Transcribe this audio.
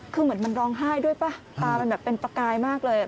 คือเหมือนมันร้องไห้ด้วยป่ะตามันแบบเป็นประกายมากเลย